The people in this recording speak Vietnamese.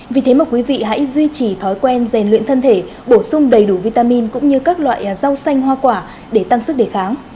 vì thế mà quý vị hãy duy trì thói quen rèn luyện thân thể bổ sung đầy đủ vitamin cũng như các loại rau xanh hoa quả để tăng sức đề kháng